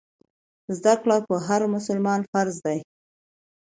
زده کړه پر هر مسلمان فرض دی.